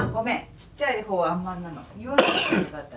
ちっちゃいほうはあんまんなの。